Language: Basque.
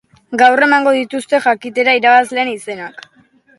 Gaur emango dituzte jakitera irabazleen izenak.